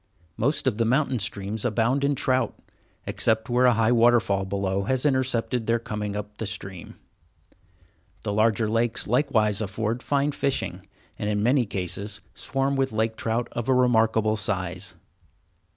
Most of the mountain streams abound in trout, except where a high waterfall below has intercepted their coming up the stream. The larger lakes likewise afford fine fishing, and in many cases swarm with lake trout of a remarkable size.